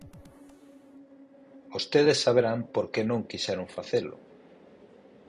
Vostedes saberán por que non quixeron facelo.